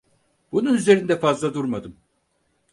Bunun üzerinde fazla durmadım.